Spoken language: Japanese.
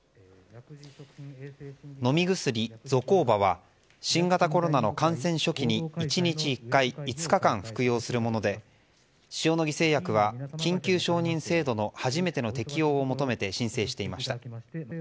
飲み薬ゾコーバは新型コロナの感染初期に１日１回、５日間服用するもので塩野義製薬は緊急承認制度の初めての適用を求めて申請していました。